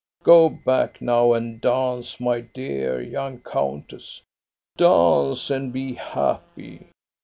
Go back now and dance, my dear young countess. Dance and be happy!